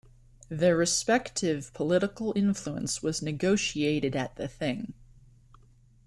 Their respective political influence was negotiated at the thing.